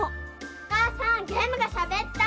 おかあさんゲームがしゃべった。